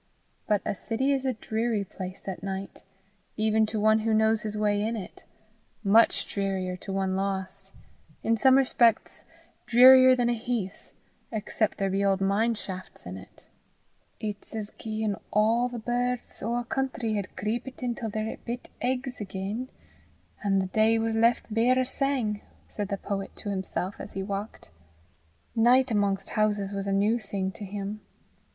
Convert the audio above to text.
But a city is a dreary place at night, even to one who knows his way in it much drearier to one lost in some respects drearier than a heath except there be old mine shafts in it. "It's as gien a' the birds o' a country had creepit intil their bit eggs again, an' the day was left bare o' sang!" said the poet to himself as he walked. Night amongst houses was a new thing to him.